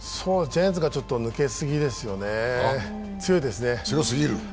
ジャイアンツがちょっと抜けすぎですよね強いですね。